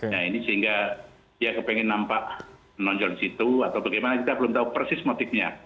nah ini sehingga dia kepengen nampak menonjol di situ atau bagaimana kita belum tahu persis motifnya